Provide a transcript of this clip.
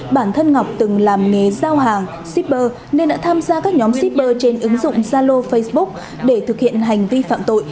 bản thân ngọc từng làm nghề giao hàng shipper nên đã tham gia các nhóm shipper trên ứng dụng zalo facebook để thực hiện hành vi phạm tội